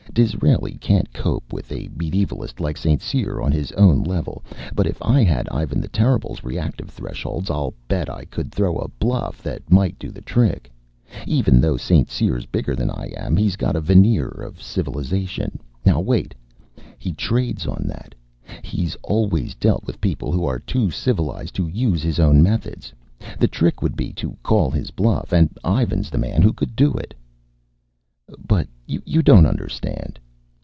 Disraeli can't cope with a medievalist like St. Cyr on his own level, but if I had Ivan the Terrible's reactive thresholds, I'll bet I could throw a bluff that might do the trick. Even though St. Cyr's bigger than I am, he's got a veneer of civilization ... now wait. He trades on that. He's always dealt with people who are too civilized to use his own methods. The trick would be to call his bluff. And Ivan's the man who could do it." "But you don't understand."